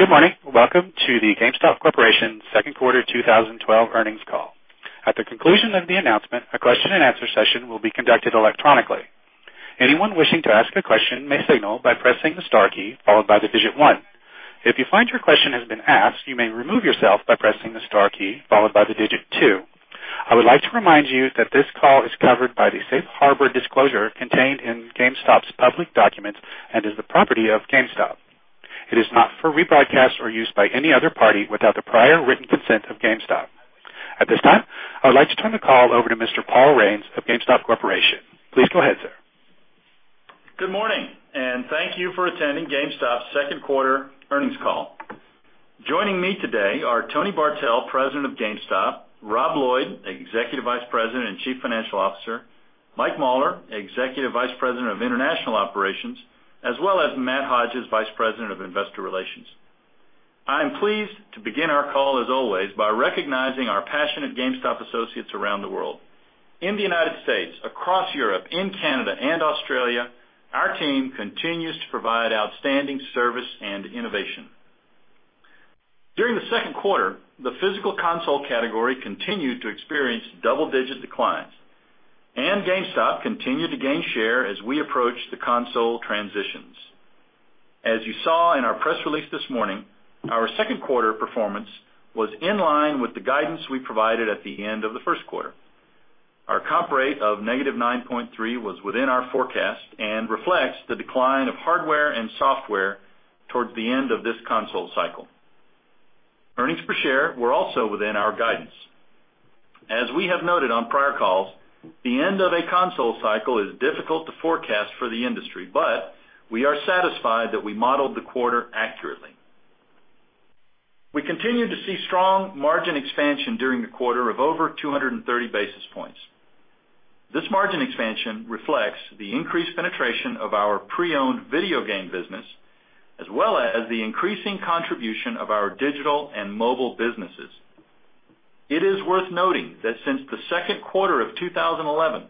Good morning. Welcome to the GameStop Corporation second quarter 2012 earnings call. At the conclusion of the announcement, a question and answer session will be conducted electronically. Anyone wishing to ask a question may signal by pressing the star key followed by the digit 1. If you find your question has been asked, you may remove yourself by pressing the star key followed by the digit 2. I would like to remind you that this call is covered by the safe harbor disclosure contained in GameStop's public documents and is the property of GameStop. It is not for rebroadcast or use by any other party without the prior written consent of GameStop. At this time, I would like to turn the call over to Mr. Paul Raines of GameStop Corporation. Please go ahead, sir. Good morning. Thank you for attending GameStop's second quarter earnings call. Joining me today are Tony Bartel, President of GameStop, Rob Lloyd, Executive Vice President and Chief Financial Officer, Michael Mauler, Executive Vice President of International Operations, as well as Matt Hodges, Vice President of Investor Relations. I am pleased to begin our call, as always, by recognizing our passionate GameStop associates around the world. In the United States, across Europe, in Canada and Australia, our team continues to provide outstanding service and innovation. During the second quarter, the physical console category continued to experience double-digit declines, and GameStop continued to gain share as we approach the console transitions. As you saw in our press release this morning, our second quarter performance was in line with the guidance we provided at the end of the first quarter. Our comp rate of negative 9.3 was within our forecast and reflects the decline of hardware and software towards the end of this console cycle. Earnings per share were also within our guidance. As we have noted on prior calls, the end of a console cycle is difficult to forecast for the industry, but we are satisfied that we modeled the quarter accurately. We continued to see strong margin expansion during the quarter of over 230 basis points. This margin expansion reflects the increased penetration of our pre-owned video game business, as well as the increasing contribution of our digital and mobile businesses. It is worth noting that since the second quarter of 2011,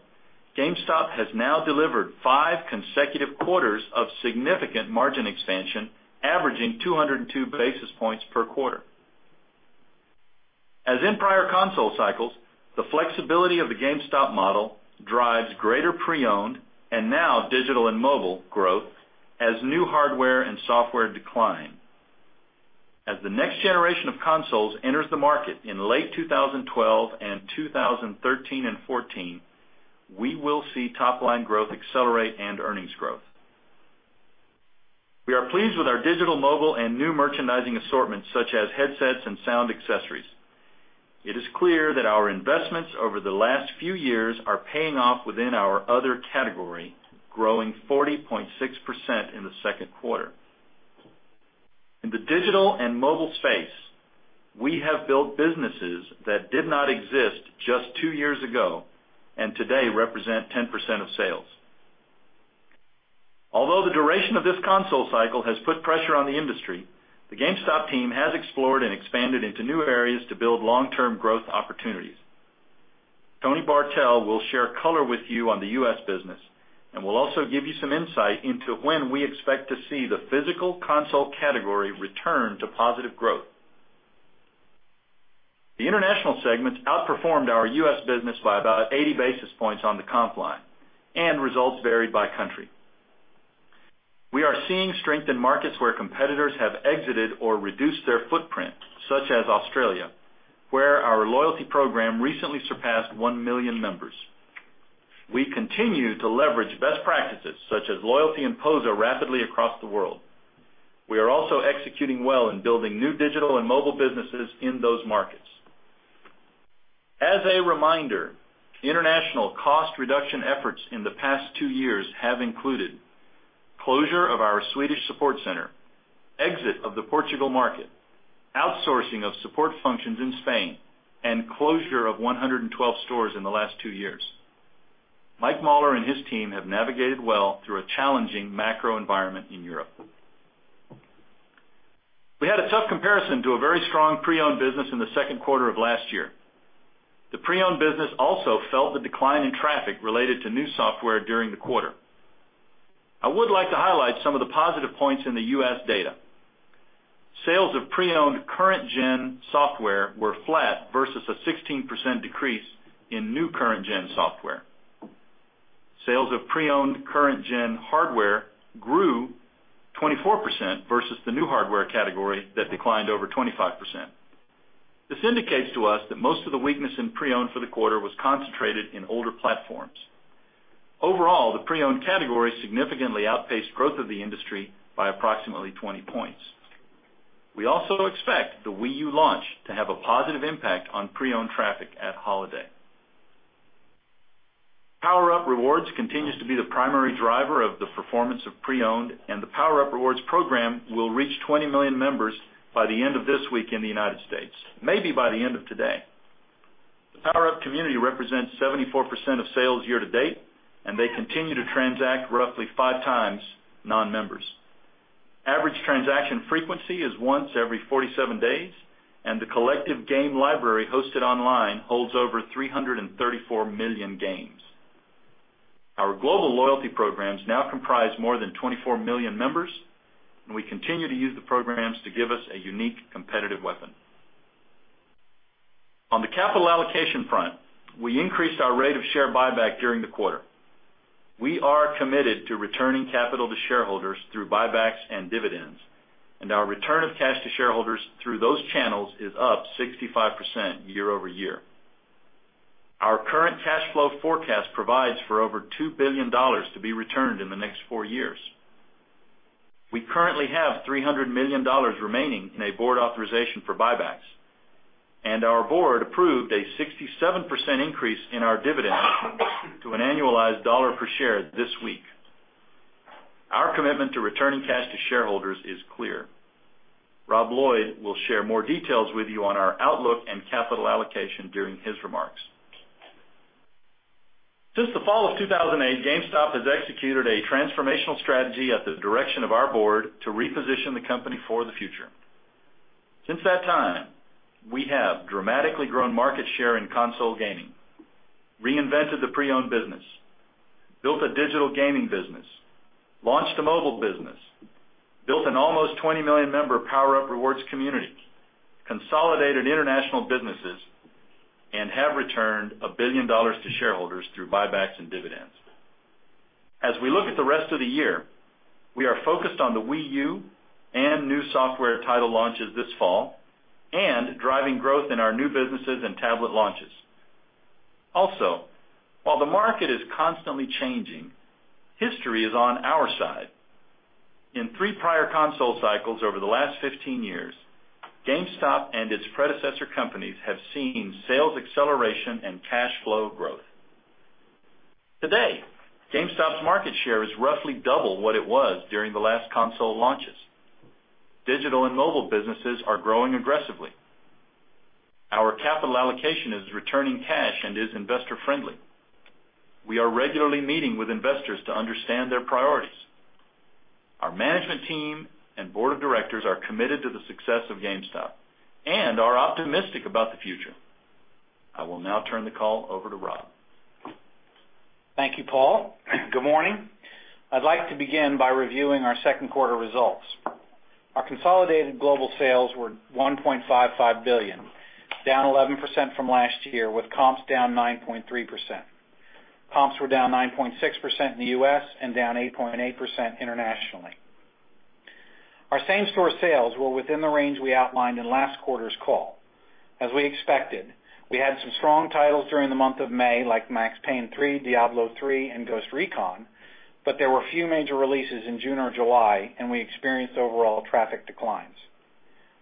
GameStop has now delivered five consecutive quarters of significant margin expansion, averaging 202 basis points per quarter. As in prior console cycles, the flexibility of the GameStop model drives greater pre-owned and now digital and mobile growth as new hardware and software decline. As the next generation of consoles enters the market in late 2012, 2013 and 2014, we will see top-line growth accelerate and earnings growth. We are pleased with our digital, mobile, and new merchandising assortments, such as headsets and sound accessories. It is clear that our investments over the last few years are paying off within our other category, growing 40.6% in the second quarter. In the digital and mobile space, we have built businesses that did not exist just two years ago and today represent 10% of sales. Although the duration of this console cycle has put pressure on the industry, the GameStop team has explored and expanded into new areas to build long-term growth opportunities. Tony Bartel will share color with you on the U.S. business and will also give you some insight into when we expect to see the physical console category return to positive growth. The international segments outperformed our U.S. business by about 80 basis points on the comp line, and results varied by country. We are seeing strength in markets where competitors have exited or reduced their footprint, such as Australia, where our loyalty program recently surpassed 1 million members. We continue to leverage best practices such as POS rapidly across the world. We are also executing well in building new digital and mobile businesses in those markets. As a reminder, international cost reduction efforts in the past 2 years have included closure of our Swedish support center, exit of the Portugal market, outsourcing of support functions in Spain, and closure of 112 stores in the last 2 years. Michael Mauler and his team have navigated well through a challenging macro environment in Europe. We had a tough comparison to a very strong pre-owned business in the second quarter of last year. The pre-owned business also felt the decline in traffic related to new software during the quarter. I would like to highlight some of the positive points in the U.S. data. Sales of pre-owned current gen software were flat versus a 16% decrease in new current gen software. Sales of pre-owned current gen hardware grew 24% versus the new hardware category that declined over 25%. This indicates to us that most of the weakness in pre-owned for the quarter was concentrated in older platforms. Overall, the pre-owned category significantly outpaced growth of the industry by approximately 20 points. We also expect the Wii U launch to have a positive impact on pre-owned traffic at holiday. PowerUp Rewards continues to be the primary driver of the performance of pre-owned, and the PowerUp Rewards program will reach 20 million members by the end of this week in the United States, maybe by the end of today. The PowerUp community represents 74% of sales year to date, and they continue to transact roughly five times non-members. Average transaction frequency is once every 47 days, and the collective game library hosted online holds over 334 million games. Our global loyalty programs now comprise more than 24 million members, and we continue to use the programs to give us a unique competitive weapon. On the capital allocation front, we increased our rate of share buyback during the quarter. We are committed to returning capital to shareholders through buybacks and dividends, and our return of cash to shareholders through those channels is up 65% year over year. Our current cash flow forecast provides for over $2 billion to be returned in the next 4 years. We currently have $300 million remaining in a board authorization for buybacks, and our board approved a 67% increase in our dividend to an annualized $1 per share this week. Our commitment to returning cash to shareholders is clear. Rob Lloyd will share more details with you on our outlook and capital allocation during his remarks. Since the fall of 2008, GameStop has executed a transformational strategy at the direction of our board to reposition the company for the future. Since that time, we have dramatically grown market share in console gaming, reinvented the pre-owned business, built a digital gaming business, launched a mobile business, built an almost 20 million member PowerUp Rewards community, consolidated international businesses, and have returned $1 billion to shareholders through buybacks and dividends. As we look at the rest of the year, we are focused on the Wii U and new software title launches this fall, and driving growth in our new businesses and tablet launches. While the market is constantly changing, history is on our side. In three prior console cycles over the last 15 years, GameStop and its predecessor companies have seen sales acceleration and cash flow growth. Today, GameStop's market share is roughly double what it was during the last console launches. Digital and mobile businesses are growing aggressively. Our capital allocation is returning cash and is investor-friendly. We are regularly meeting with investors to understand their priorities. Our management team and board of directors are committed to the success of GameStop and are optimistic about the future. I will now turn the call over to Rob. Thank you, Paul. Good morning. I'd like to begin by reviewing our second quarter results. Our consolidated global sales were $1.55 billion, down 11% from last year with comps down 9.3%. Comps were down 9.6% in the U.S. and down 8.8% internationally. Our same-store sales were within the range we outlined in last quarter's call. As we expected, we had some strong titles during the month of May, like Max Payne 3, Diablo III, and Ghost Recon, but there were few major releases in June or July, and we experienced overall traffic declines.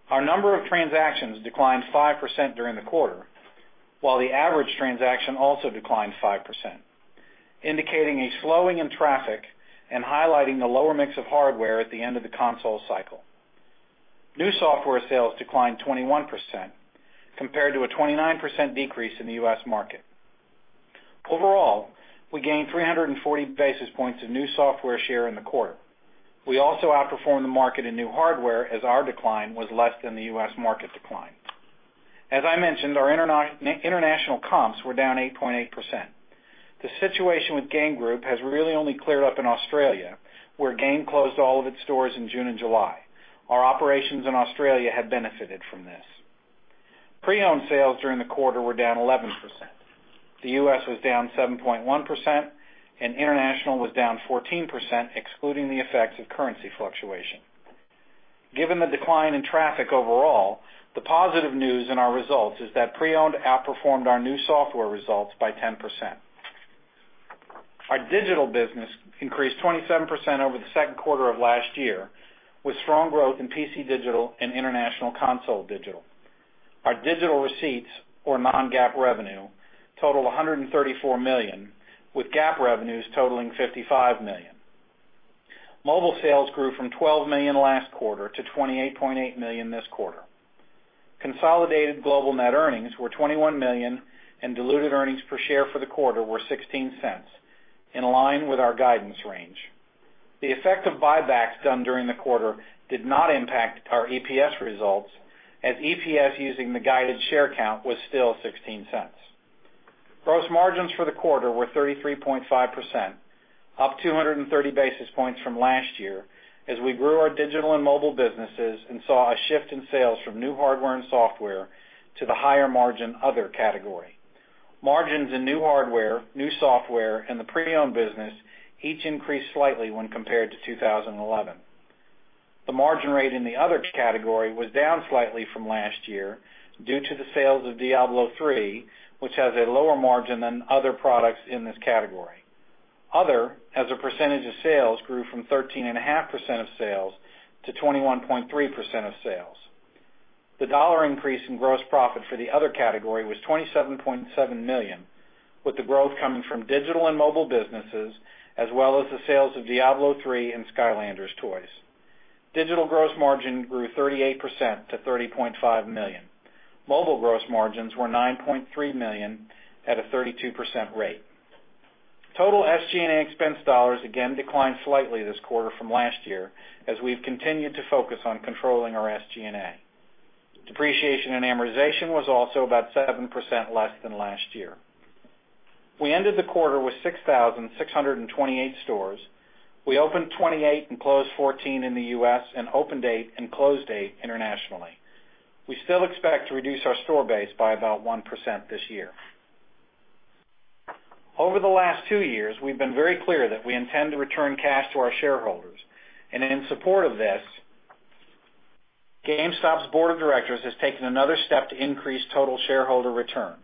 Our number of transactions declined 5% during the quarter, while the average transaction also declined 5%, indicating a slowing in traffic and highlighting the lower mix of hardware at the end of the console cycle. New software sales declined 21%, compared to a 29% decrease in the U.S. market. Overall, we gained 340 basis points of new software share in the quarter. We also outperformed the market in new hardware, as our decline was less than the U.S. market decline. As I mentioned, our international comps were down 8.8%. The situation with Game Group has really only cleared up in Australia, where Game closed all of its stores in June and July. Our operations in Australia have benefited from this. Pre-owned sales during the quarter were down 11%. The U.S. was down 7.1% and international was down 14%, excluding the effects of currency fluctuation. Given the decline in traffic overall, the positive news in our results is that pre-owned outperformed our new software results by 10%. Our digital business increased 27% over the second quarter of last year, with strong growth in PC digital and international console digital. Our digital receipts or non-GAAP revenue totaled $134 million, with GAAP revenues totaling $55 million. Mobile sales grew from $12 million last quarter to $28.8 million this quarter. Consolidated global net earnings were $21 million, and diluted earnings per share for the quarter were $0.16, in line with our guidance range. The effect of buybacks done during the quarter did not impact our EPS results, as EPS using the guided share count was still $0.16. Gross margins for the quarter were 33.5%, up 230 basis points from last year, as we grew our digital and mobile businesses and saw a shift in sales from new hardware and software to the higher margin, other category. Margins in new hardware, new software, and the pre-owned business each increased slightly when compared to 2011. The margin rate in the other category was down slightly from last year due to the sales of Diablo III, which has a lower margin than other products in this category. Other, as a percentage of sales, grew from 13.5% of sales to 21.3% of sales. The dollar increase in gross profit for the other category was $27.7 million, with the growth coming from digital and mobile businesses, as well as the sales of Diablo III and Skylanders toys. Digital gross margin grew 38% to $30.5 million. Mobile gross margins were $9.3 million at a 32% rate. Total SG&A expense dollars again declined slightly this quarter from last year, as we've continued to focus on controlling our SG&A. Depreciation and amortization was also about 7% less than last year. We ended the quarter with 6,628 stores. We opened 28 and closed 14 in the U.S. and opened eight and closed eight internationally. We still expect to reduce our store base by about 1% this year. Over the last two years, we've been very clear that we intend to return cash to our shareholders, and in support of this, GameStop's board of directors has taken another step to increase total shareholder return.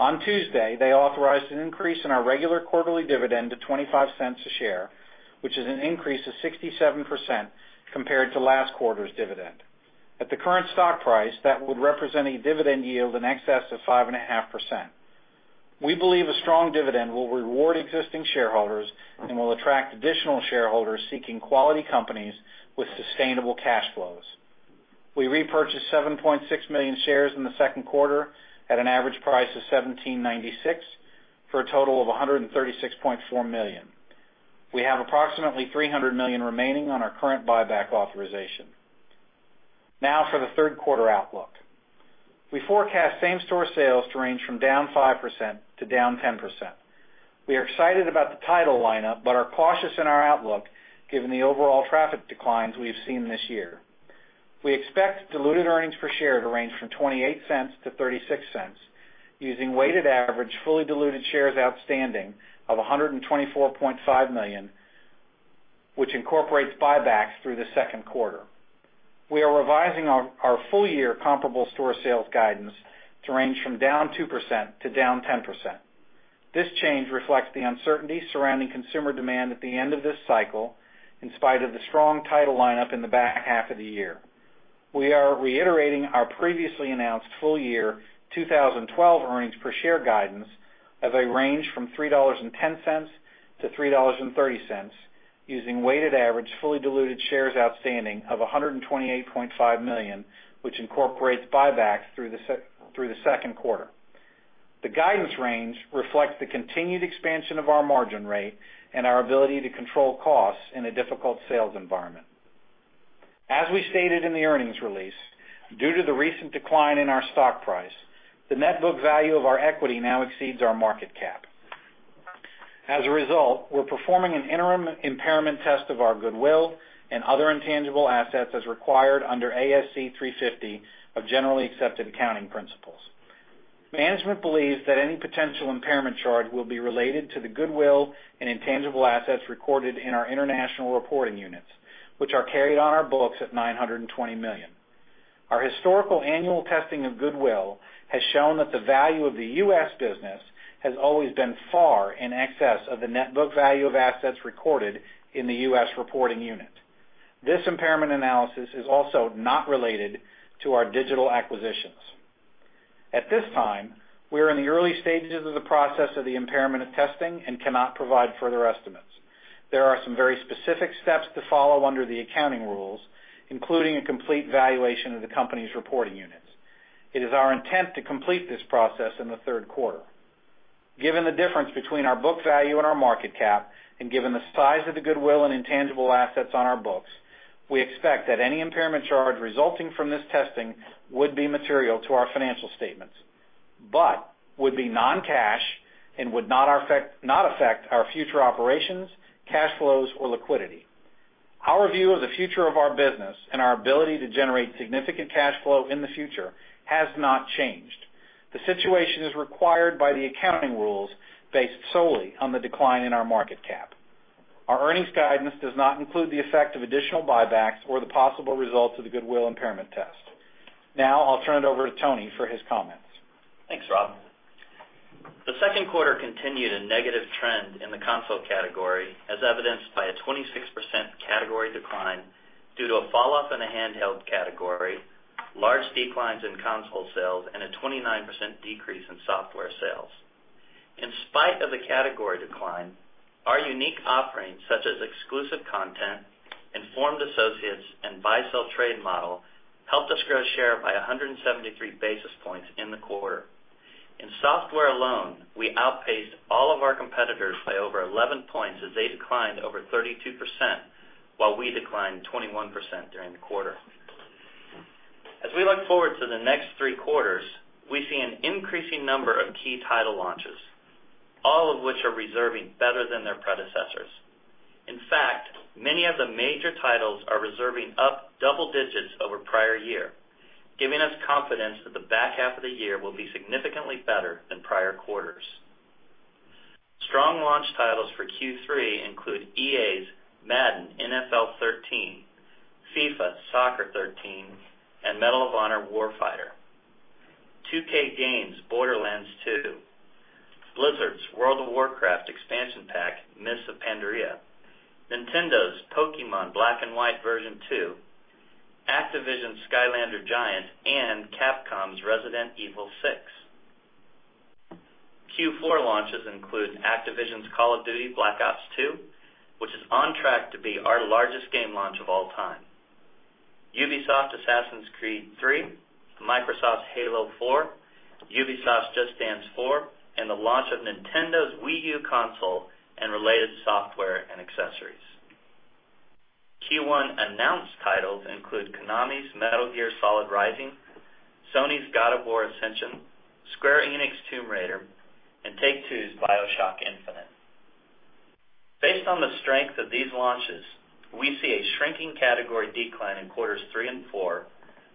On Tuesday, they authorized an increase in our regular quarterly dividend to $0.25 a share, which is an increase of 67% compared to last quarter's dividend. At the current stock price, that would represent a dividend yield in excess of 5.5%. We believe a strong dividend will reward existing shareholders and will attract additional shareholders seeking quality companies with sustainable cash flows. We repurchased 7.6 million shares in the second quarter at an average price of $17.96 for a total of $136.4 million. We have approximately $300 million remaining on our current buyback authorization. For the third quarter outlook. We forecast same-store sales to range from down 5% to down 10%. We are excited about the title lineup, but are cautious in our outlook given the overall traffic declines we have seen this year. We expect diluted earnings per share to range from $0.28 to $0.36 using weighted average, fully diluted shares outstanding of 124.5 million, which incorporates buybacks through the second quarter. We are revising our full-year comparable store sales guidance to range from down 2% to down 10%. This change reflects the uncertainty surrounding consumer demand at the end of this cycle, in spite of the strong title lineup in the back half of the year. We are reiterating our previously announced full-year 2012 earnings per share guidance of a range from $3.10 to $3.30 using weighted average fully diluted shares outstanding of 128.5 million, which incorporates buybacks through the second quarter. The guidance range reflects the continued expansion of our margin rate and our ability to control costs in a difficult sales environment. As we stated in the earnings release, due to the recent decline in our stock price, the net book value of our equity now exceeds our market cap. As a result, we're performing an interim impairment test of our goodwill and other intangible assets as required under ASC 350 of Generally Accepted Accounting Principles. Management believes that any potential impairment charge will be related to the goodwill and intangible assets recorded in our international reporting units, which are carried on our books at $920 million. Our historical annual testing of goodwill has shown that the value of the U.S. business has always been far in excess of the net book value of assets recorded in the U.S. reporting unit. This impairment analysis is also not related to our digital acquisitions. At this time, we are in the early stages of the process of the impairment of testing and cannot provide further estimates. There are some very specific steps to follow under the accounting rules, including a complete valuation of the company's reporting units. It is our intent to complete this process in the third quarter. Given the difference between our book value and our market cap, given the size of the goodwill and intangible assets on our books, we expect that any impairment charge resulting from this testing would be material to our financial statements, would be non-cash and would not affect our future operations, cash flows, or liquidity. Our view of the future of our business and our ability to generate significant cash flow in the future has not changed. The situation is required by the accounting rules based solely on the decline in our market cap. Our earnings guidance does not include the effect of additional buybacks or the possible results of the goodwill impairment test. I'll turn it over to Tony for his comments. Thanks, Rob. The second quarter continued a negative trend in the console category, as evidenced by a 26% category decline due to a fall off in the handheld category, large declines in console sales, and a 29% decrease in software sales. In spite of the category decline, our unique offerings such as exclusive content, informed associates, and buy-sell trade model helped us grow share by 173 basis points in the quarter. In software alone, we outpaced all of our competitors by over 11 points as they declined over 32%, while we declined 21% during the quarter. As we look forward to the next three quarters, we see an increasing number of key title launches, all of which are reserving better than their predecessors. In fact, many of the major titles are reserving up double digits over prior year, giving us confidence that the back half of the year will be significantly better than prior quarters. Strong launch titles for Q3 include EA's "Madden NFL 13," "FIFA Soccer 13," and "Medal of Honor: Warfighter"; 2K Games' "Borderlands 2"; Blizzard's "World of Warcraft" expansion pack, "Mists of Pandaria"; Nintendo's "Pokémon Black and White Version 2"; Activision's "Skylanders Giants"; and Capcom's "Resident Evil 6". Q4 launches include Activision's "Call of Duty: Black Ops II," which is on track to be our largest game launch of all time. Ubisoft's "Assassin's Creed III," Microsoft's "Halo 4," Ubisoft's "Just Dance 4," and the launch of Nintendo's Wii U console and related software and accessories. Q1 announced titles include Konami's Metal Gear Rising: Revengeance, Sony's God of War: Ascension, Square Enix' Tomb Raider, and Take-Two's BioShock Infinite. Based on the strength of these launches, we see a shrinking category decline in quarters three and four,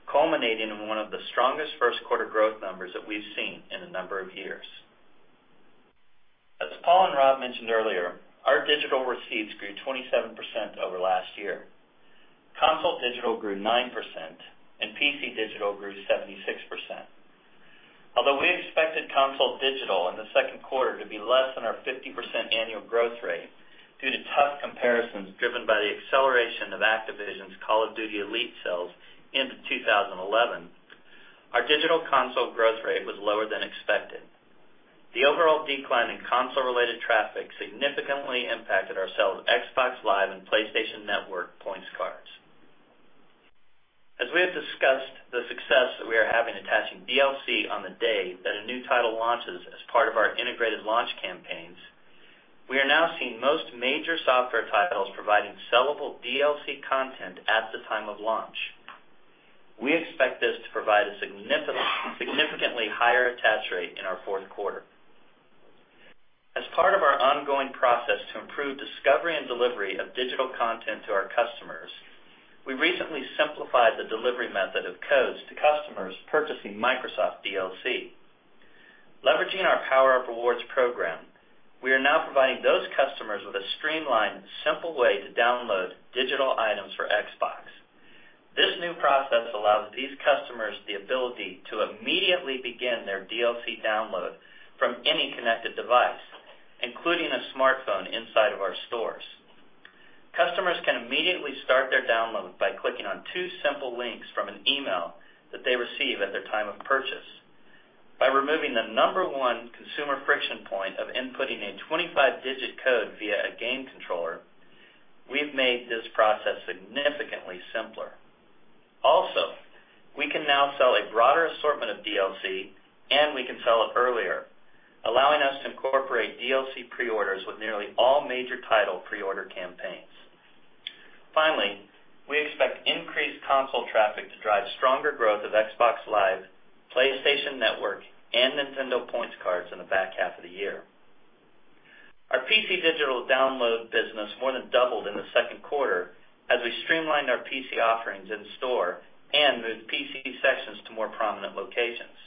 culminating in one of the strongest first-quarter growth numbers that we've seen in a number of years. As Paul and Rob mentioned earlier, our digital receipts grew 27% over last year. Console digital grew 9%, and PC digital grew 76%. Although we expected console digital in the second quarter to be less than our 50% annual growth rate due to tough comparisons driven by the acceleration of Activision's Call of Duty: Elite sales into 2011, our digital console growth rate was lower than expected. The overall decline in console-related traffic significantly impacted our sell of Xbox Live and PlayStation Network points cards. As we have discussed the success that we are having attaching DLC on the day that a new title launches as part of our integrated launch campaigns, we are now seeing most major software titles providing sellable DLC content at the time of launch. We expect this to provide a significantly higher attach rate in our fourth quarter. As part of our ongoing process to improve discovery and delivery of digital content to our customers, we recently simplified the delivery method of codes to customers purchasing Microsoft DLC. Leveraging our PowerUp Rewards program, we are now providing those customers with a streamlined, simple way to download digital items for Xbox. This new process allows these customers the ability to immediately begin their DLC download from any connected device, including a smartphone inside of our stores. Customers can immediately start their download by clicking on two simple links from an email that they receive at their time of purchase. By removing the number 1 consumer friction point of inputting a 25-digit code via a game controller, we've made this process significantly simpler. We can now sell a broader assortment of DLC, and we can sell it earlier, allowing us to incorporate DLC pre-orders with nearly all major title pre-order campaigns. We expect increased console traffic to drive stronger growth of Xbox Live, PlayStation Network, and Nintendo points cards in the back half of the year. Our PC digital download business more than doubled in the second quarter as we streamlined our PC offerings in store and moved PC sections to more prominent locations.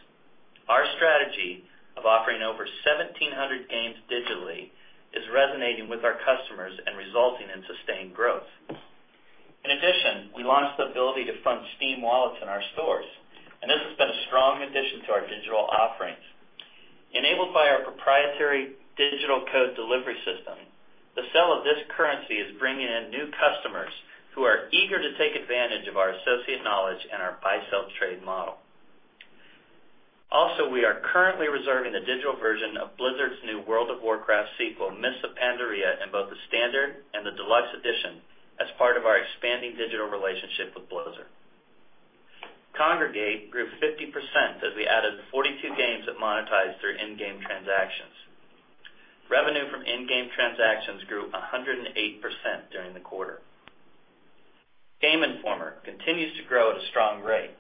Our strategy of offering over 1,700 games digitally is resonating with our customers and resulting in sustained growth. In addition, we launched the ability to fund Steam wallets in our stores, and this has been a strong addition to our digital offerings. Enabled by our proprietary digital code delivery system, the sell of this currency is bringing in new customers who are eager to take advantage of our associate knowledge and our buy-sell trade model. We are currently reserving the digital version of Blizzard's new World of Warcraft sequel, Mists of Pandaria, in both the standard and the deluxe edition as part of our expanding digital relationship with Blizzard. Kongregate grew 50% as we added the 42 games that monetize through in-game transactions. Revenue from in-game transactions grew 108% during the quarter. Game Informer continues to grow at a strong rate,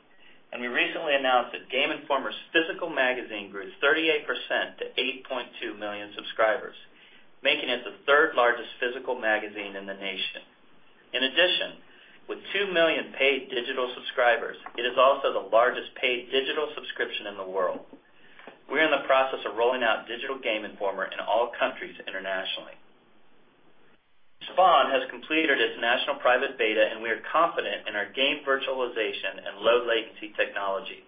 and we recently announced that Game Informer's physical magazine grew 38% to 8.2 million subscribers, making it the third-largest physical magazine in the nation. In addition, with 2 million paid digital subscribers, it is also the largest paid digital subscription in the world. We're in the process of rolling out digital Game Informer in all countries internationally. Spawn has completed its national private beta, and we are confident in our game virtualization and low-latency technology.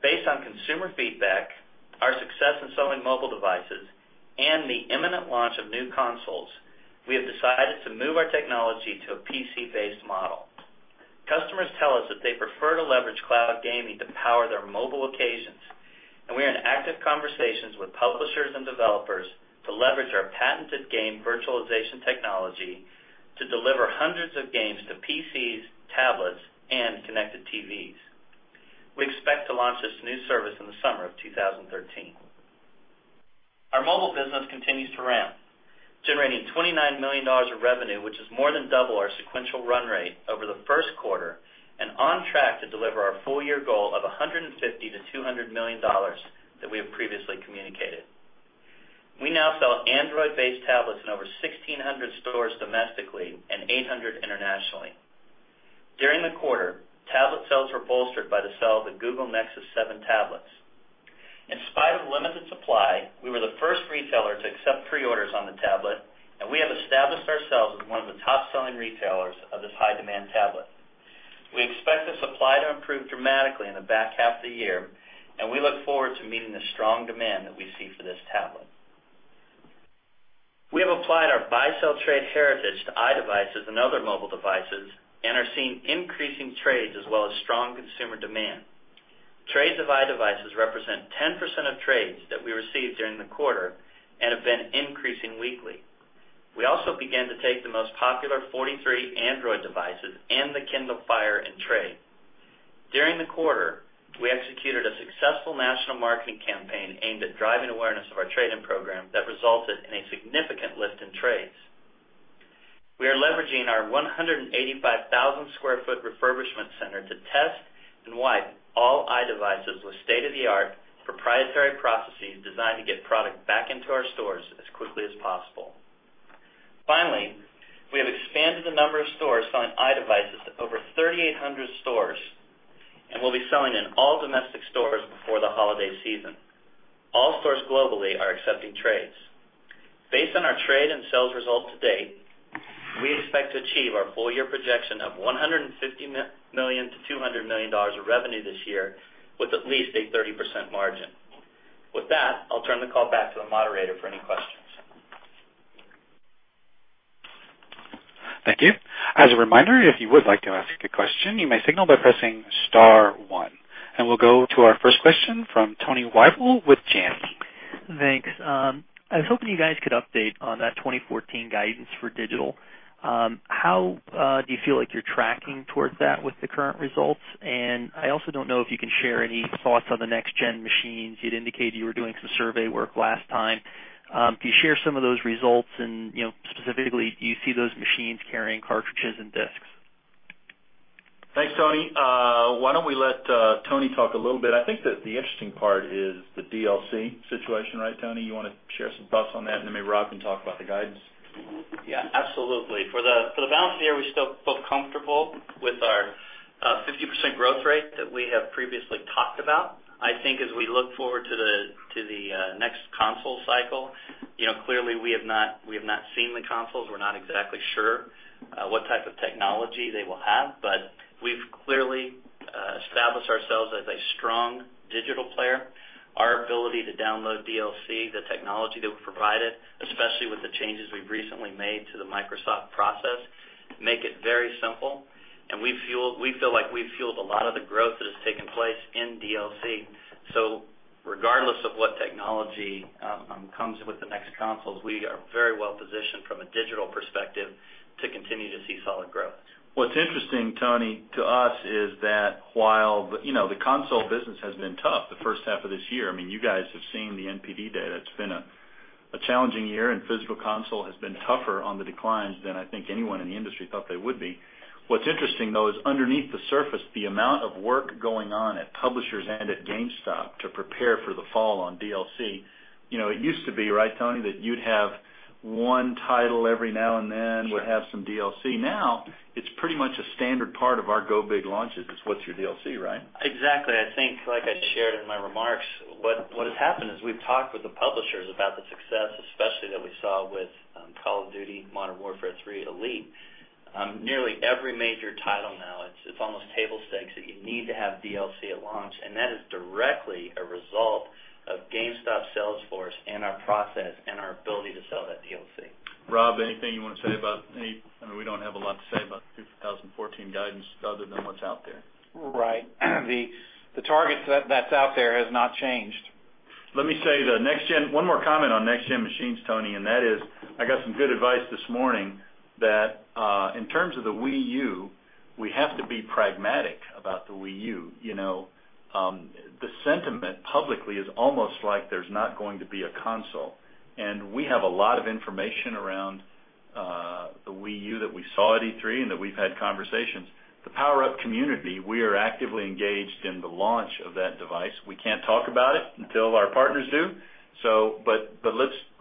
Based on consumer feedback, our success in selling mobile devices, and the imminent launch of new consoles, we have decided to move our technology to a PC-based model. Customers tell us that they prefer to leverage cloud gaming to power their mobile occasions, and we are in active conversations with publishers and developers to leverage our patented game virtualization technology to deliver hundreds of games to PCs, tablets, and connected TVs. We expect to launch this new service in the summer of 2013. Our mobile business continues to ramp, generating $29 million of revenue, which is more than double our sequential run rate over the first quarter and on track to deliver our full-year goal of $150 million-$200 million that we have previously communicated. We now sell Android-based tablets in over 1,600 stores domestically and 800 internationally. During the quarter, tablet sales were bolstered by the sale of the Google Nexus 7 tablets. In spite of limited supply, we were the first retailer to accept pre-orders on the tablet, and we have established ourselves as one of the top-selling retailers of this high-demand tablet. We expect the supply to improve dramatically in the back half of the year, and we look forward to meeting the strong demand that we see for this tablet. We have applied our buy-sell trade heritage to iDevices and other mobile devices and are seeing increasing trades as well as strong consumer demand. Trades of iDevices represent 10% of trades that we received during the quarter and have been increasing weekly. We also began to take the most popular 43 Android devices and the Kindle Fire in trade. During the quarter, we executed a successful national marketing campaign aimed at driving awareness of our trade-in program that resulted in a significant lift in trades. We are leveraging our 185,000 square foot refurbishment center to test and wipe all iDevices with state-of-the-art proprietary processes designed to get product back into our stores as quickly as possible. Finally, we have expanded the number of stores selling iDevices to over 3,800 stores, and we'll be selling in all domestic stores before the holiday season. All stores globally are accepting trades. Based on our trade and sales results to date, we expect to achieve our full-year projection of $150 million-$200 million of revenue this year, with at least a 30% margin. With that, I'll turn the call back to the moderator for any questions. Thank you. As a reminder, if you would like to ask a question, you may signal by pressing *1. We'll go to our first question from Tony Wible with Janney. Thanks. I was hoping you guys could update on that 2014 guidance for digital. How do you feel like you're tracking towards that with the current results? I also don't know if you can share any thoughts on the next-gen machines. You'd indicated you were doing some survey work last time. Can you share some of those results, and specifically, do you see those machines carrying cartridges and disks? Thanks, Tony. Why don't we let Tony talk a little bit. I think that the interesting part is the DLC situation, right, Tony? You want to share some thoughts on that. Maybe Rob can talk about the guidance. Yeah, absolutely. For the balance of the year, we still feel comfortable with our 50% growth rate that we have previously talked about. I think as we look forward to the next console cycle, clearly, we have not seen the consoles. We're not exactly sure what type of technology they will have, but we've clearly established ourselves as a strong digital player. Our ability to download DLC, the technology that we've provided, especially with the changes we've recently made to the Microsoft process, make it very simple. We feel like we've fueled a lot of the growth that has taken place in DLC. Regardless of what technology comes with the next consoles, we are very well positioned from a digital perspective to continue to see solid growth. What's interesting, Tony, to us is that while the console business has been tough the first half of this year, you guys have seen the NPD data. It's been a challenging year, and physical console has been tougher on the declines than I think anyone in the industry thought they would be. What's interesting, though, is underneath the surface, the amount of work going on at publishers and at GameStop to prepare for the fall on DLC. It used to be, right, Tony, that you'd have one title every now and then. Yeah would have some DLC. It's pretty much a standard part of our go big launches is what's your DLC, right? Exactly. I think, like I shared in my remarks, what has happened is we've talked with the publishers about the success, especially that we saw with "Call of Duty: Modern Warfare 3 Elite." Nearly every major title now, it's almost table stakes that you need to have DLC at launch, and that is directly a result of GameStop sales force and our process and our ability to sell that DLC. Rob, anything you want to say about I mean, we don't have a lot to say about the 2014 guidance other than what's out there. Right. The target that's out there has not changed. Let me say, one more comment on next-gen machines, Tony, that is, I got some good advice this morning that, in terms of the Wii U, we have to be pragmatic about the Wii U. The sentiment publicly is almost like there's not going to be a console, and we have a lot of information around the Wii U that we saw at E3 and that we've had conversations. The PowerUp community, we are actively engaged in the launch of that device. We can't talk about it until our partners do.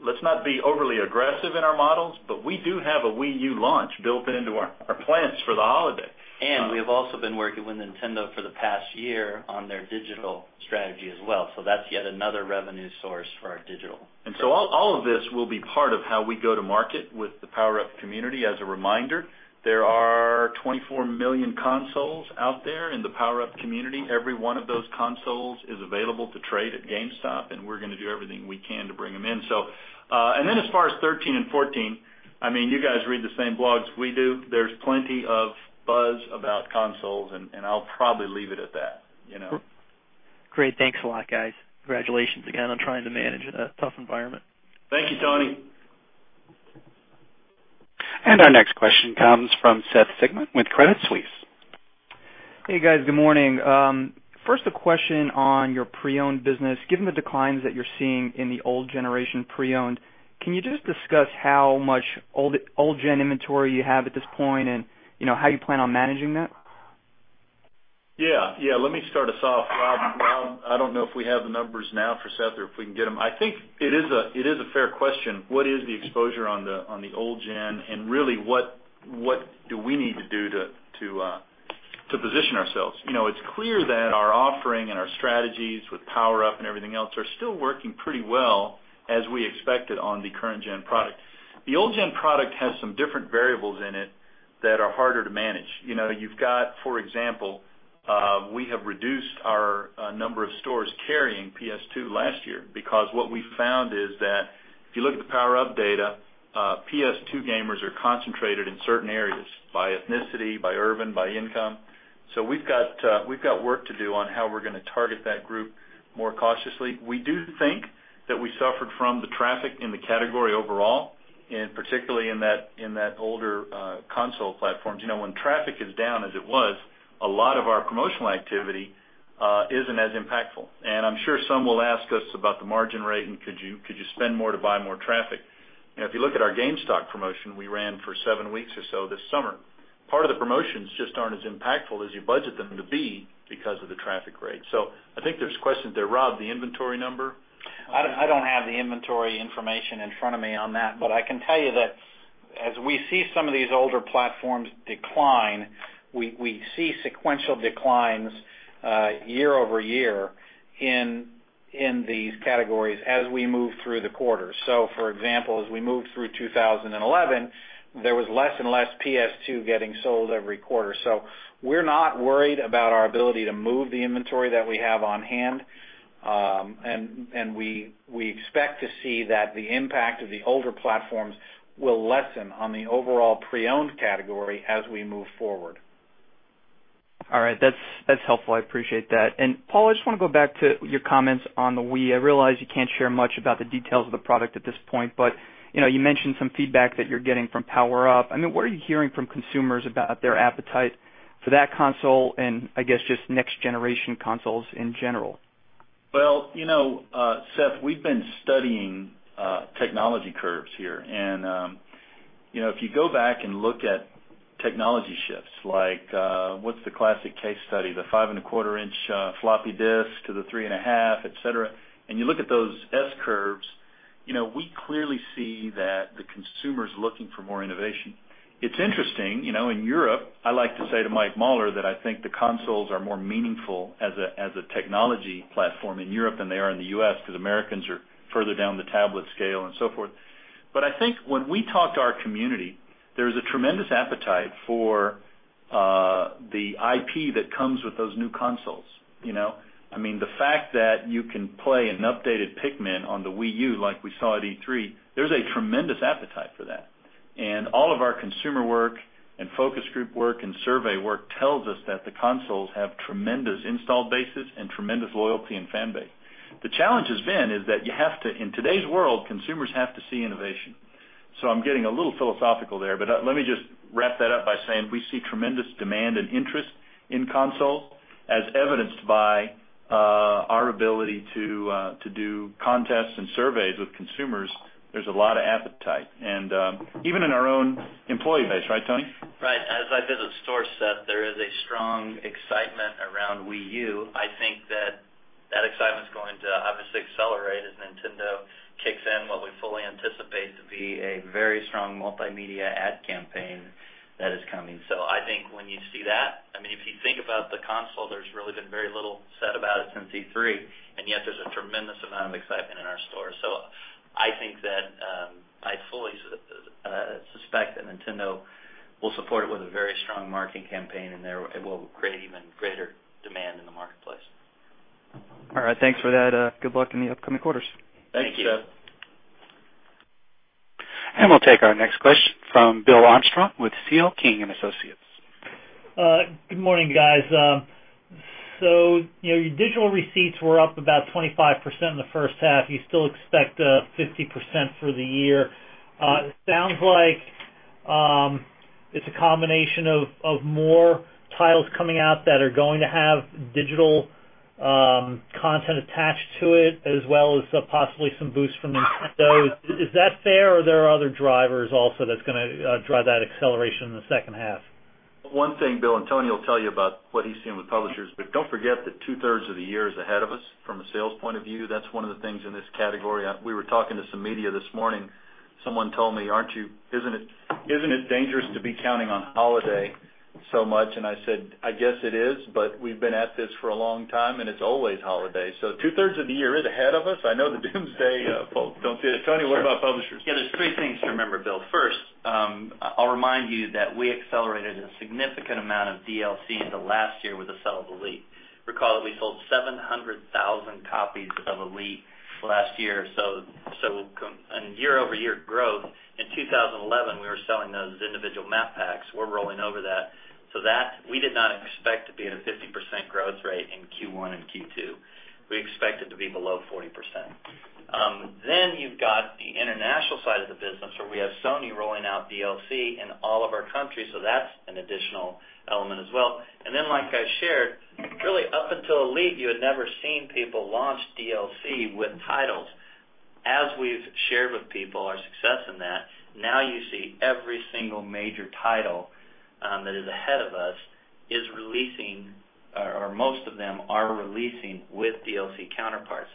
Let's not be overly aggressive in our models. We do have a Wii U launch built into our plans for the holiday. We have also been working with Nintendo for the past year on their digital strategy as well. That's yet another revenue source for our digital. All of this will be part of how we go to market with the PowerUp community. As a reminder, there are 24 million consoles out there in the PowerUp community. Every one of those consoles is available to trade at GameStop, and we're going to do everything we can to bring them in. As far as 2013 and 2014, you guys read the same blogs we do. There's plenty of buzz about consoles, and I'll probably leave it at that. Great. Thanks a lot, guys. Congratulations again on trying to manage in a tough environment. Thank you, Tony. Our next question comes from Seth Sigman with Credit Suisse. Hey, guys. Good morning. First, a question on your pre-owned business. Given the declines that you're seeing in the old generation pre-owned, can you just discuss how much old-gen inventory you have at this point and how you plan on managing that? Yeah. Let me start us off. Rob, I don't know if we have the numbers now for Seth or if we can get them. I think it is a fair question. What is the exposure on the old-gen and really what do we need to do to position ourselves? It's clear that our offering and our strategies with PowerUp and everything else are still working pretty well as we expected on the current-gen product. The old-gen product has some different variables in it that are harder to manage. You've got, for example, we have reduced our number of stores carrying PS2 last year because what we found is that if you look at the PowerUp data, PS2 gamers are concentrated in certain areas by ethnicity, by urban, by income. We've got work to do on how we're going to target that group more cautiously. We do think that we suffered from the traffic in the category overall. Particularly in that older console platforms. When traffic is down as it was, a lot of our promotional activity isn't as impactful. I'm sure some will ask us about the margin rate and could you spend more to buy more traffic? If you look at our GameStop promotion we ran for seven weeks or so this summer, part of the promotions just aren't as impactful as you budget them to be because of the traffic rate. I think there's questions there. Rob, the inventory number? I don't have the inventory information in front of me on that. I can tell you that as we see some of these older platforms decline, we see sequential declines year-over-year in these categories as we move through the quarter. For example, as we moved through 2011, there was less and less PS2 getting sold every quarter. We're not worried about our ability to move the inventory that we have on hand. We expect to see that the impact of the older platforms will lessen on the overall pre-owned category as we move forward. All right. That's helpful. I appreciate that. Paul, I just want to go back to your comments on the Wii. I realize you can't share much about the details of the product at this point, but you mentioned some feedback that you're getting from PowerUp. What are you hearing from consumers about their appetite for that console, and I guess just next-generation consoles in general? Well, Seth, we've been studying technology curves here. If you go back and look at technology shifts, like, what's the classic case study? The five-and-a-quarter inch floppy disk to the three-and-a-half, et cetera. You look at those S curves, we clearly see that the consumer's looking for more innovation. It's interesting, in Europe, I like to say to Mike Mauler that I think the consoles are more meaningful as a technology platform in Europe than they are in the U.S. because Americans are further down the tablet scale and so forth. I think when we talk to our community, there's a tremendous appetite for the IP that comes with those new consoles. The fact that you can play an updated "Pikmin" on the Wii U like we saw at E3, there's a tremendous appetite for that. All of our consumer work and focus group work and survey work tells us that the consoles have tremendous install bases and tremendous loyalty and fan base. The challenge has been is that, in today's world, consumers have to see innovation. I'm getting a little philosophical there, let me just wrap that up by saying we see tremendous demand and interest in consoles, as evidenced by our ability to do contests and surveys with consumers. There's a lot of appetite. Even in our own employee base, right, Tony? Right. As I visit stores, Seth, there is a strong excitement around Wii U. I think that that excitement is going to obviously accelerate as Nintendo kicks in what we fully anticipate to be a very strong multimedia ad campaign that is coming. I think when you see that, if you think about the console, there's really been very little said about it since E3, yet there's a tremendous amount of excitement in our stores. I fully suspect that Nintendo will support it with a very strong marketing campaign, it will create even greater demand in the marketplace. All right. Thanks for that. Good luck in the upcoming quarters. Thank you. Thank you. We'll take our next question from William Armstrong with C.L. King & Associates. Good morning, guys. Your digital receipts were up about 25% in the first half. You still expect 50% for the year. It sounds like it's a combination of more titles coming out that are going to have digital content attached to it, as well as possibly some boost from Nintendo. Is that fair, or are there other drivers also that's going to drive that acceleration in the second half? One thing, Bill, Tony will tell you about what he's seen with publishers, don't forget that two-thirds of the year is ahead of us from a sales point of view. That's one of the things in this category. We were talking to some media this morning. Someone told me, "Isn't it dangerous to be counting on holiday so much?" I said, "I guess it is, we've been at this for a long time, it's always holiday." Two-thirds of the year is ahead of us. I know the doomsday folks don't see it. Tony, what about publishers? Yeah, there's three things to remember, Bill. First, I'll remind you that we accelerated a significant amount of DLC in the last year with the sell of "Elite." Recall that we sold 700,000 copies of "Elite" last year. In year-over-year growth in 2011, we were selling those as individual map packs. We're rolling over that. That, we did not expect to be at a 50% growth rate in Q1 and Q2. We expect it to be below 40%. You've got the international side of the business, where we have Sony rolling out DLC in all of our countries, so that's an additional element as well. Like I shared, really up until "Elite," you had never seen people launch DLC with titles. As we've shared with people our success in that, now you see every single major title that is ahead of us is releasing, or most of them are releasing with DLC counterparts.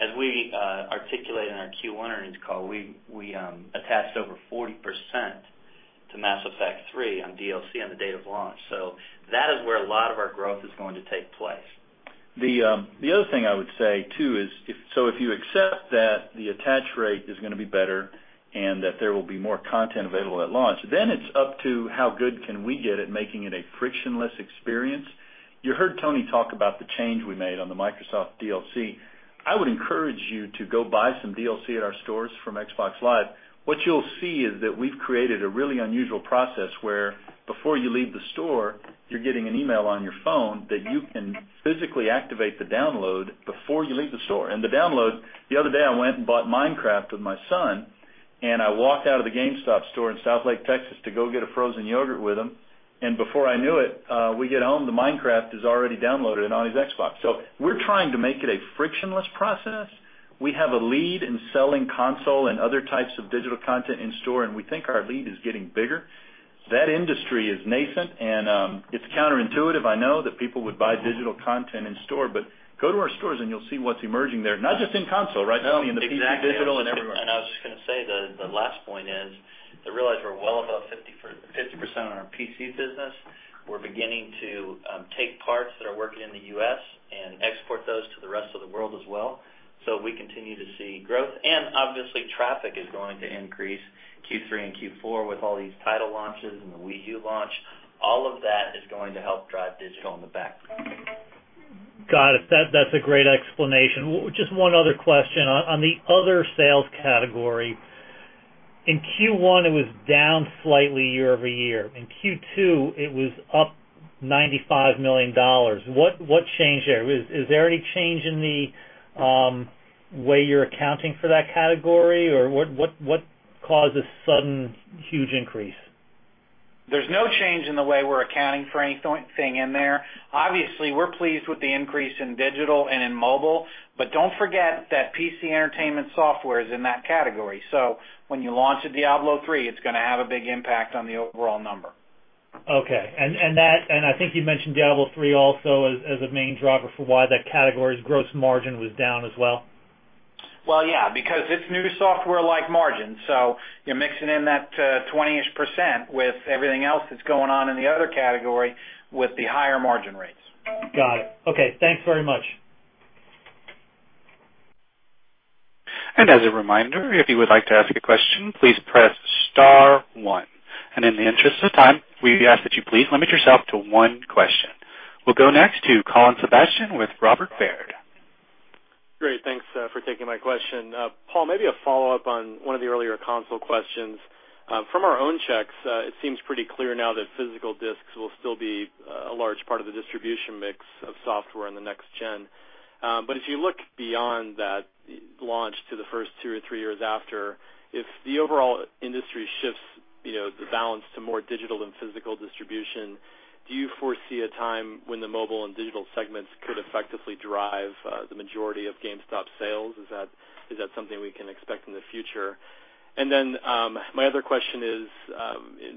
As we articulated in our Q1 earnings call, we attached over 40% to "Mass Effect 3" on DLC on the date of launch. That is where a lot of our growth is going to take place. The other thing I would say, too, is if you accept that the attach rate is going to be better and that there will be more content available at launch, it's up to how good can we get at making it a frictionless experience. You heard Tony talk about the change we made on the Microsoft DLC. I would encourage you to go buy some DLC at our stores from Xbox Live. What you'll see is that we've created a really unusual process where before you leave the store, you're getting an email on your phone that you can physically activate the download before you leave the store. The other day, I went and bought "Minecraft" with my son. I walked out of the GameStop store in Southlake, Texas, to go get a frozen yogurt with him. Before I knew it, we get home, the Minecraft is already downloaded and on his Xbox. We're trying to make it a frictionless process. We have a lead in selling console and other types of digital content in store, and we think our lead is getting bigger. That industry is nascent and it's counterintuitive, I know, that people would buy digital content in store, but go to our stores and you'll see what's emerging there, not just in console, right, Tony, in the PC digital and everywhere. I was just going to say, the last point is to realize we're well above 50% on our PC business. We're beginning to take parts that are working in the U.S. and export those to the rest of the world as well. We continue to see growth, and obviously, traffic is going to increase Q3 and Q4 with all these title launches and the Wii U launch. All of that is going to help drive digital in the back. Got it. That's a great explanation. Just one other question. On the other sales category, in Q1, it was down slightly year-over-year. In Q2, it was up $95 million. What changed there? Is there any change in the way you're accounting for that category, or what caused the sudden huge increase? There's no change in the way we're accounting for anything in there. Obviously, we're pleased with the increase in digital and in mobile, but don't forget that PC entertainment software is in that category. When you launch a Diablo III, it's going to have a big impact on the overall number. Okay. I think you mentioned Diablo III also as a main driver for why that category's gross margin was down as well. Well, yeah, because it's new software-like margin. You're mixing in that 20-ish% with everything else that's going on in the other category with the higher margin rates. Got it. Okay. Thanks very much. As a reminder, if you would like to ask a question, please press *1. In the interest of time, we ask that you please limit yourself to one question. We'll go next to Colin Sebastian with Robert Baird. Great. Thanks for taking my question. Paul, maybe a follow-up on one of the earlier console questions. From our own checks, it seems pretty clear now that physical discs will still be a large part of the distribution mix of software in the next gen. If you look beyond that launch to the first 2 or 3 years after, if the overall industry shifts the balance to more digital than physical distribution, do you foresee a time when the mobile and digital segments could effectively drive the majority of GameStop sales? Is that something we can expect in the future? My other question is,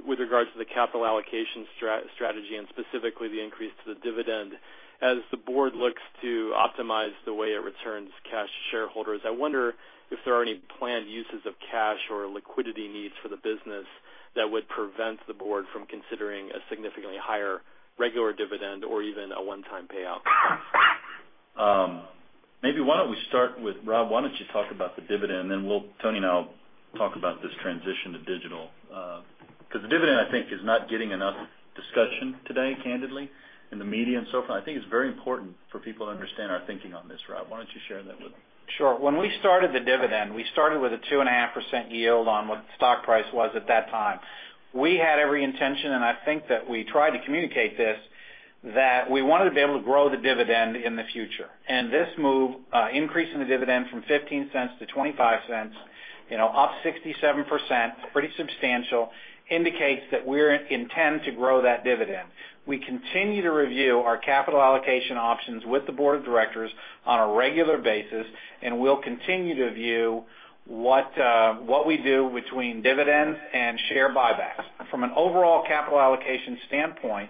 with regards to the capital allocation strategy and specifically the increase to the dividend, as the board looks to optimize the way it returns cash to shareholders, I wonder if there are any planned uses of cash or liquidity needs for the business that would prevent the board from considering a significantly higher regular dividend or even a one-time payout. Maybe why don't we start with Rob? Why don't you talk about the dividend, Tony and I will talk about this transition to digital. Because the dividend, I think, is not getting enough discussion today, candidly, in the media and so forth. I think it's very important for people to understand our thinking on this, Rob. Why don't you share that with them? Sure. When we started the dividend, we started with a 2.5% yield on what the stock price was at that time. We had every intention, I think that we tried to communicate this, that we wanted to be able to grow the dividend in the future. This move, increasing the dividend from $0.15 to $0.25, up 67%, pretty substantial, indicates that we intend to grow that dividend. We continue to review our capital allocation options with the board of directors on a regular basis, we'll continue to view what we do between dividends and share buybacks. From an overall capital allocation standpoint,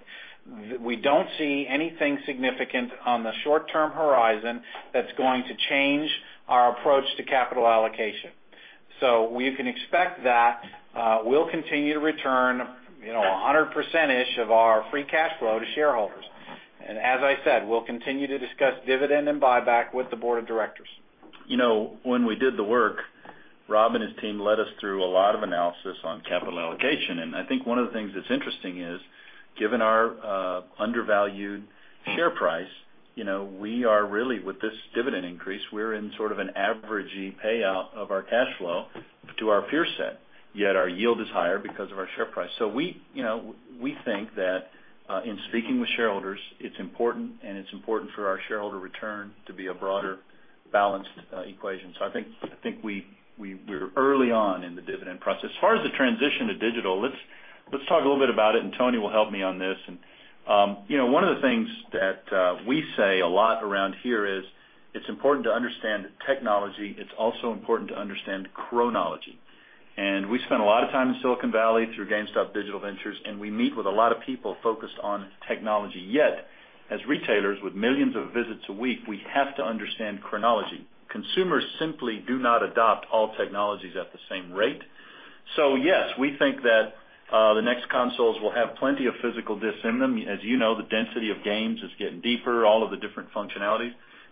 we don't see anything significant on the short-term horizon that's going to change our approach to capital allocation. You can expect that we'll continue to return 100%-ish of our free cash flow to shareholders. as I said, we'll continue to discuss dividend and buyback with the board of directors. When we did the work, Rob and his team led us through a lot of analysis on capital allocation. I think one of the things that's interesting is, given our undervalued share price, with this dividend increase, we're in sort of an average-y payout of our cash flow to our peer set, yet our yield is higher because of our share price. We think that, in speaking with shareholders, it's important, and it's important for our shareholder return to be a broader balanced equation. I think we're early on in the dividend process. As far as the transition to digital, let's talk a little bit about it, and Tony will help me on this. One of the things that we say a lot around here is it's important to understand technology. It's also important to understand chronology. We spend a lot of time in Silicon Valley through GameStop Digital Ventures, and we meet with a lot of people focused on technology. Yet, as retailers with millions of visits a week, we have to understand chronology. Consumers simply do not adopt all technologies at the same rate. Yes, we think that the next consoles will have plenty of physical discs in them. As you know, the density of games is getting deeper, all of the different functionalities.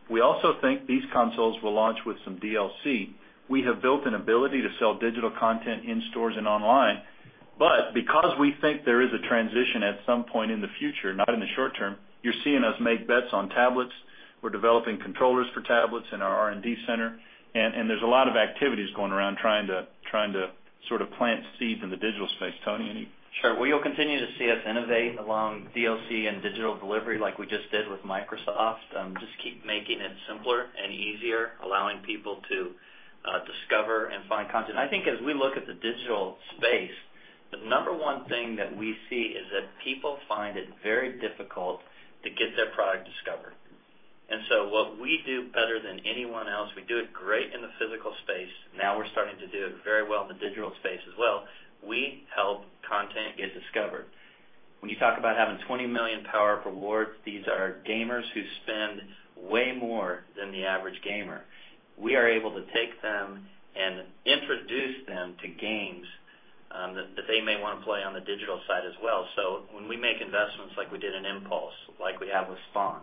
We also think these consoles will launch with some DLC. We have built an ability to sell digital content in stores and online. Because we think there is a transition at some point in the future, not in the short term, you're seeing us make bets on tablets. We're developing controllers for tablets in our R&D center, and there's a lot of activities going around trying to sort of plant seeds in the digital space. Tony, Sure. We will continue to see us innovate along DLC and digital delivery like we just did with Microsoft. Just keep making it simpler and easier, allowing people to discover and find content. I think as we look at the digital space The number one thing that we see is that people find it very difficult to get their product discovered. What we do better than anyone else, we do it great in the physical space. Now we're starting to do it very well in the digital space as well. We help content get discovered. When you talk about having 20 million PowerUp Rewards, these are gamers who spend way more than the average gamer. We are able to take them and introduce them to games that they may want to play on the digital side as well. When we make investments like we did in Impulse, like we have with Spawn,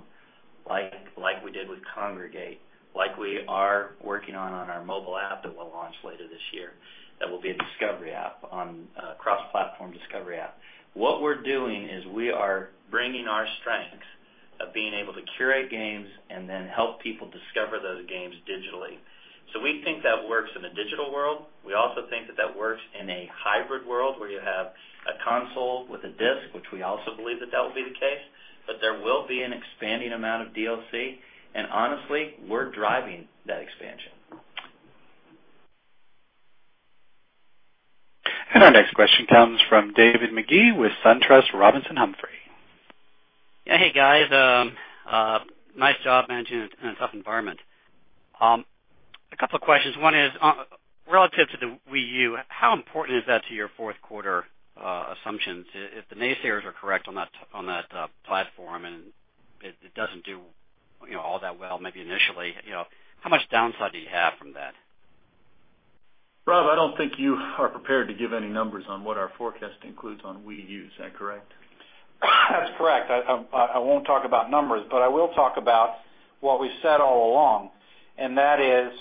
like we did with Kongregate, like we are working on our mobile app that we'll launch later this year, that will be a discovery app, a cross-platform discovery app. What we're doing is we are bringing our strengths of being able to curate games and then help people discover those games digitally. We think that works in the digital world. We also think that that works in a hybrid world where you have a console with a disc, which we also believe that will be the case, but there will be an expanding amount of DLC. Honestly, we're driving that expansion. Our next question comes from David Magee with SunTrust Robinson Humphrey. Hey, guys. Nice job managing in a tough environment. A couple of questions. One is, relative to the Wii U, how important is that to your fourth quarter assumptions? If the naysayers are correct on that platform and it doesn't do all that well, maybe initially, how much downside do you have from that? Rob, I don't think you are prepared to give any numbers on what our forecast includes on Wii U. Is that correct? That's correct. I won't talk about numbers, but I will talk about what we've said all along, and that is,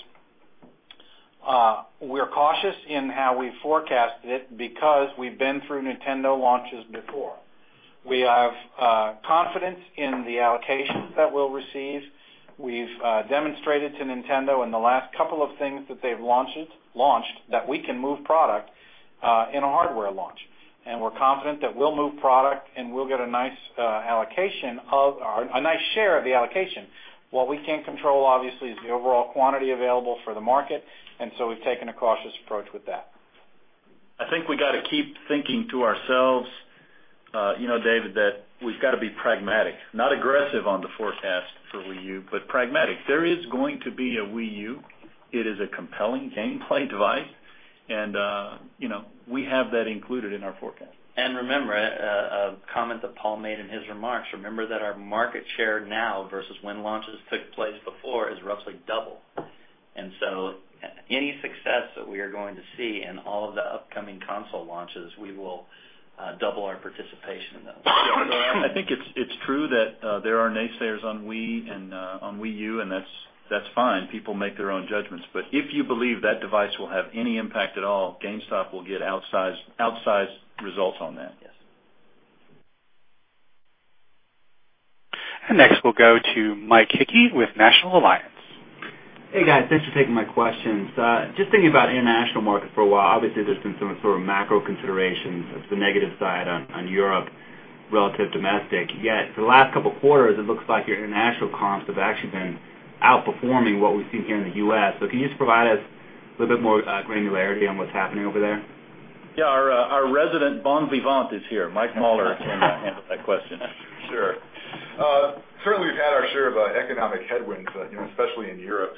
we're cautious in how we forecasted it because we've been through Nintendo launches before. We have confidence in the allocations that we'll receive. We've demonstrated to Nintendo in the last couple of things that they've launched, that we can move product in a hardware launch. We're confident that we'll move product and we'll get a nice share of the allocation. What we can't control obviously is the overall quantity available for the market, and so we've taken a cautious approach with that. I think we got to keep thinking to ourselves, David, that we've got to be pragmatic. Not aggressive on the forecast for Wii U, but pragmatic. There is going to be a Wii U. It is a compelling gameplay device, and we have that included in our forecast. Remember a comment that Paul made in his remarks. Remember that our market share now versus when launches took place before is roughly double. Any success that we are going to see in all of the upcoming console launches, we will double our participation in those. Go ahead. I think it's true that there are naysayers on Wii and on Wii U, that's fine. People make their own judgments. If you believe that device will have any impact at all, GameStop will get outsized results on that. Yes. Next we'll go to Mike Hickey with National Alliance. Hey, guys. Thanks for taking my questions. Just thinking about international market for a while. Obviously, there's been some sort of macro considerations of the negative side on Europe relative to domestic. Yet, for the last 2 quarters, it looks like your international comps have actually been outperforming what we've seen here in the U.S. Can you just provide us a little bit more granularity on what's happening over there? Yeah, our resident bon vivant is here. Michael Mauler can handle that question. Sure. Certainly, we've had our share of economic headwinds, especially in Europe.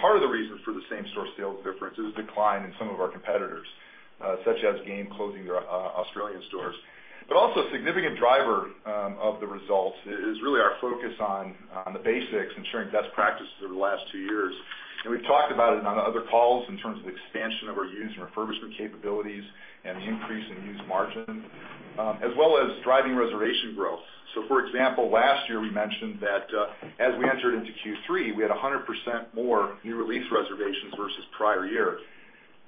Part of the reason for the same-store sales difference is decline in some of our competitors, such as Game closing their Australian stores. Also a significant driver of the results is really our focus on the basics, ensuring best practices over the last 2 years. We've talked about it on other calls in terms of expansion of our used and refurbishment capabilities and the increase in used margin, as well as driving reservation growth. For example, last year, we mentioned that as we entered into Q3, we had 100% more new release reservations versus prior year.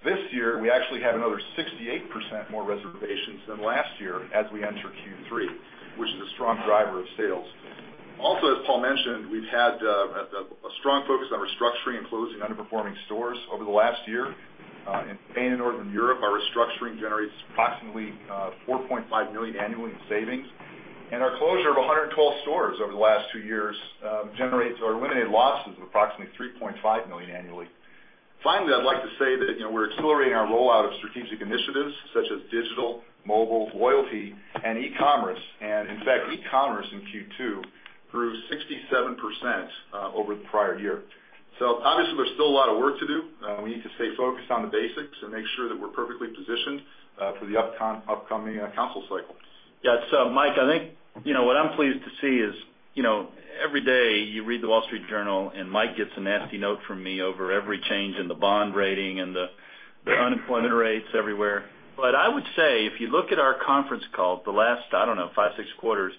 This year, we actually have another 68% more reservations than last year as we enter Q3, which is a strong driver of sales. Also, as Paul mentioned, we've had a strong focus on restructuring and closing underperforming stores over the last year. In Northern Europe, our restructuring generates approximately $4.5 million annually in savings, and our closure of 112 stores over the last 2 years generates or eliminated losses of approximately $3.5 million annually. Finally, I'd like to say that we're accelerating our rollout of strategic initiatives such as digital, mobile, loyalty, and e-commerce. In fact, e-commerce in Q2 grew 67% over the prior year. Obviously, there's still a lot of work to do. We need to stay focused on the basics and make sure that we're perfectly positioned for the upcoming console cycles. Mike, I think what I'm pleased to see is every day you read The Wall Street Journal, and Mike gets a nasty note from me over every change in the bond rating and the unemployment rates everywhere. I would say, if you look at our conference call, the last, I don't know, five, six quarters,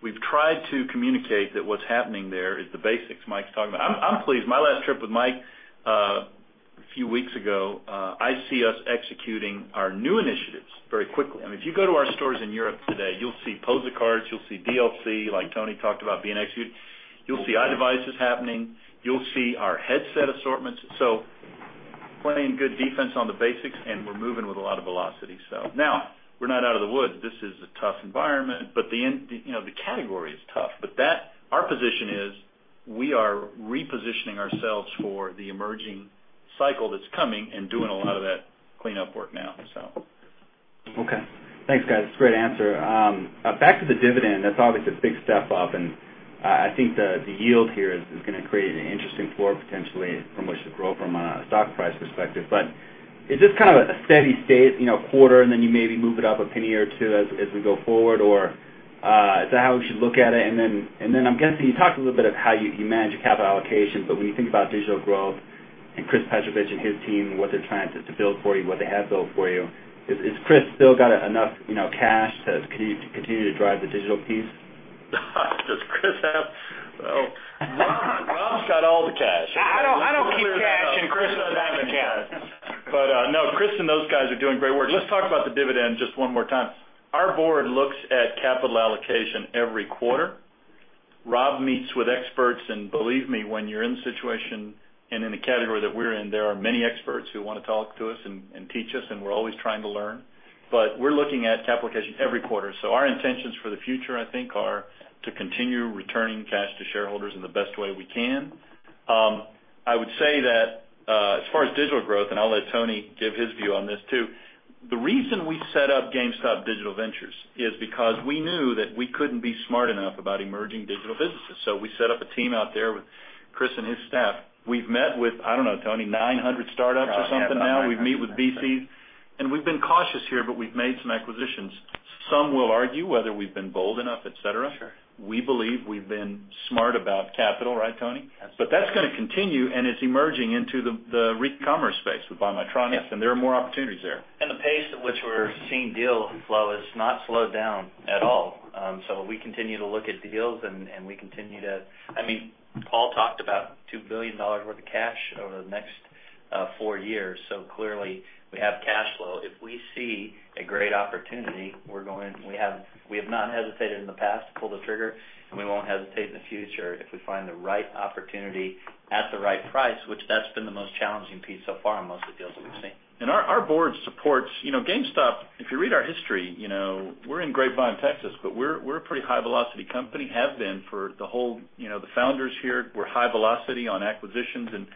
we've tried to communicate that what's happening there is the basics Mike's talking about. I'm pleased. My last trip with Mike a few weeks ago, I see us executing our new initiatives very quickly. I mean, if you go to our stores in Europe today, you'll see POSA cards, you'll see DLC, like Tony talked about being executed. You'll see iDevices happening. You'll see our headset assortments. Playing good defense on the basics, and we're moving with a lot of velocity. Now, we're not out of the woods. This is a tough environment. The category is tough, our position is We are repositioning ourselves for the emerging cycle that's coming and doing a lot of that cleanup work now. Thanks, guys. Great answer. Back to the dividend, that's obviously a big step up, and I think the yield here is going to create an interesting floor, potentially, from which to grow from a stock price perspective. Is this kind of a steady state quarter, and then you maybe move it up a penny or two as we go forward, or is that how we should look at it? Then I'm guessing you talked a little bit of how you manage capital allocation, when you think about digital growth and Chris Petrovic and his team, what they're trying to build for you, what they have built for you, has Chris still got enough cash to continue to drive the digital piece? Rob's got all the cash. I don't keep cash, and Chris Petrovic doesn't have any cash. No, Chris Petrovic and those guys are doing great work. Let's talk about the dividend just one more time. Our board looks at capital allocation every quarter. Rob Lloyd meets with experts, and believe me, when you're in the situation and in the category that we're in, there are many experts who want to talk to us and teach us, and we're always trying to learn. We're looking at capital allocation every quarter. Our intentions for the future, I think, are to continue returning cash to shareholders in the best way we can. I would say that as far as digital growth, and I'll let Tony Bartel give his view on this too, the reason we set up GameStop Digital Ventures is because we knew that we couldn't be smart enough about emerging digital businesses. We set up a team out there with Chris Petrovic and his staff. We've met with, I don't know, Tony Bartel, 900 startups or something now. Yeah, about 900. We've met with VCs, and we've been cautious here, but we've made some acquisitions. Some will argue whether we've been bold enough, et cetera. Sure. We believe we've been smart about capital. Right, Tony? Absolutely. That's going to continue, and it's emerging into the recommerce space with BuyMyTronics, and there are more opportunities there. The pace at which we're seeing deal flow has not slowed down at all. We continue to look at deals. Paul talked about $2 billion worth of cash over the next four years. Clearly, we have cash flow. If we see a great opportunity, we have not hesitated in the past to pull the trigger, and we won't hesitate in the future if we find the right opportunity at the right price, which that's been the most challenging piece so far in most of the deals that we've seen. Our board supports. GameStop, if you read our history, we're in Grapevine, Texas, we're a pretty high-velocity company, have been for the whole. The founders here were high velocity on acquisitions, and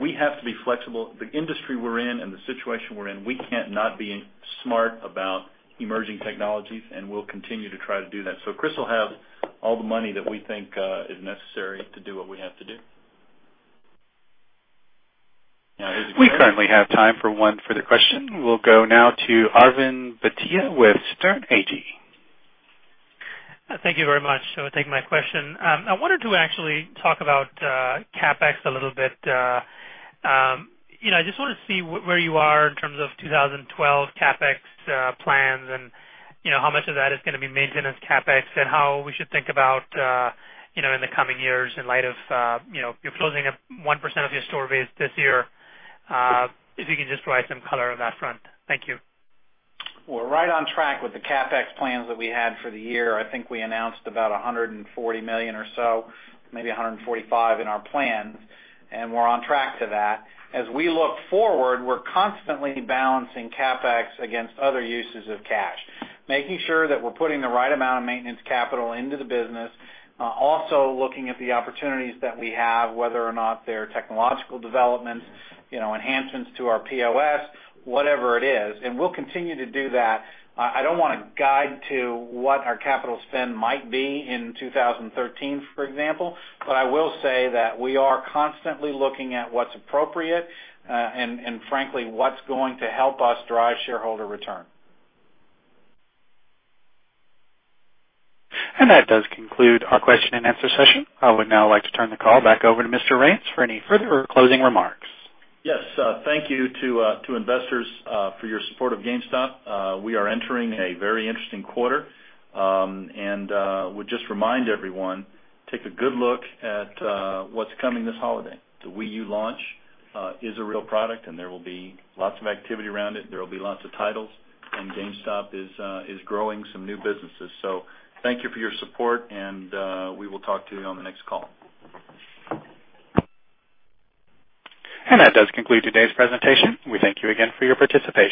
we have to be flexible. The industry we're in and the situation we're in, we can't not be smart about emerging technologies, and we'll continue to try to do that. Chris will have all the money that we think is necessary to do what we have to do. Now is it- We currently have time for one further question. We'll go now to Arvind Bhatia with Sterne Agee. Thank you very much. Take my question. I wanted to actually talk about CapEx a little bit. I just want to see where you are in terms of 2012 CapEx plans and how much of that is going to be maintenance CapEx and how we should think about in the coming years in light of you're closing up 1% of your store base this year. If you can just provide some color on that front. Thank you. We're right on track with the CapEx plans that we had for the year. I think we announced about $140 million or so, maybe $145 million in our plans, and we're on track to that. As we look forward, we're constantly balancing CapEx against other uses of cash, making sure that we're putting the right amount of maintenance capital into the business. Also looking at the opportunities that we have, whether or not they're technological developments, enhancements to our POS, whatever it is, and we'll continue to do that. I don't want to guide to what our capital spend might be in 2013, for example, but I will say that we are constantly looking at what's appropriate, and frankly, what's going to help us drive shareholder return. That does conclude our question and answer session. I would now like to turn the call back over to Mr. Raines for any further closing remarks. Yes. Thank you to investors for your support of GameStop. We are entering a very interesting quarter. Would just remind everyone, take a good look at what's coming this holiday. The Wii U launch is a real product and there will be lots of activity around it. There will be lots of titles, and GameStop is growing some new businesses. Thank you for your support and we will talk to you on the next call. That does conclude today's presentation. We thank you again for your participation